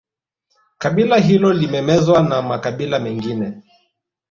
Kabila hilo limemezwa na makabila mengine